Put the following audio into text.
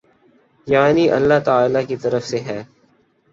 یعنی اﷲ تعالی کی طرف سے ہے۔